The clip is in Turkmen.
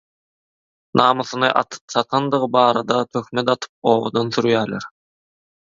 namysyny satandygy barada töhmet atyp obadan sürýäler.